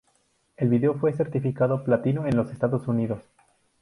El video fue certificado platino en los Estados Unidos.